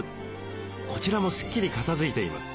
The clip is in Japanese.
こちらもスッキリ片づいています。